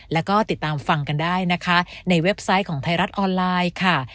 แล้วก็ติดตามฟังกันได้นะคะในเว็บไซต์ของไทยรัฐออนไลน์ค่ะ